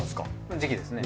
時期ですね。